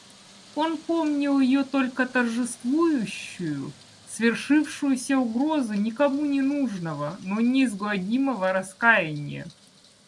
Он помнил ее только торжествующую, свершившуюся угрозу никому ненужного, но неизгладимого раскаяния.